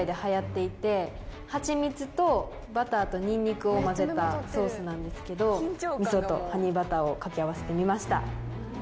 ハチミツとバターとニンニクを混ぜたソースなんですけど味噌とハニーバターを掛け合わせてみました。